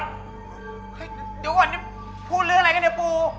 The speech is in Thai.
เดี๋ยวก่อนพูดเรื่องอะไรกันเนี่ยปู